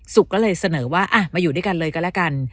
ก็เลยเสนอว่ามาอยู่ด้วยกันเลยก็แล้วกัน